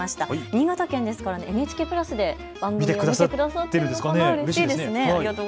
新潟県ですからＮＨＫプラスで番組を見てくださっているのかな、うれしいですね。